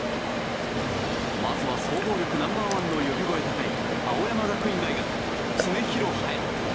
まずは総合力ナンバー１の呼び声高い青山学院大学・常廣羽也斗。